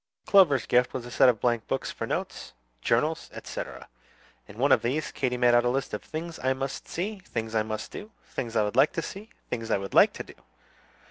Clover's gift was a set of blank books for notes, journals, etc. In one of these, Katy made out a list of "Things I must see," "Things I must do," "Things I would like to see," "Things I would like to do."